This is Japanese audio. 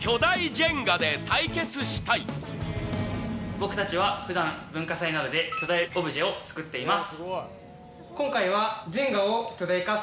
僕たちは文化祭などで巨大オブジェを作っています。